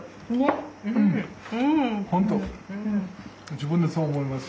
自分でそう思います。